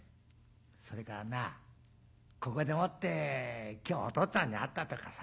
それからなここでもって今日おとっつぁんに会ったとかさ